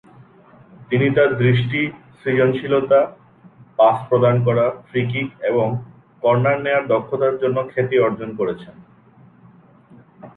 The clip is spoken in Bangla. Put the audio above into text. তিনি তার দৃষ্টি, সৃজনশীলতা, পাস প্রদান করা, ফ্রি-কিক এবং কর্নার নেওয়ার দক্ষতার জন্য খ্যাতি অর্জন করেছেন।